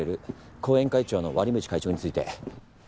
後援会長の鰐淵会長について。